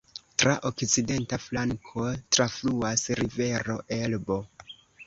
Tra okcidenta flanko trafluas rivero Elbo.